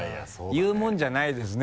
言うもんじゃないですね